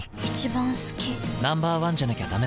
Ｎｏ．１じゃなきゃダメだ。